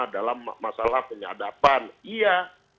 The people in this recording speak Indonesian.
dalam masalah penyadapan iya